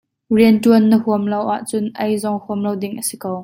Rianṭuan na huam lo ahcun ei zong huam lo ding a si ko.